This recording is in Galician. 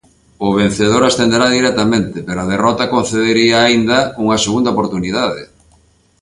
O vencedor ascenderá directamente, pero a derrota concedería aínda unha segunda oportunidade.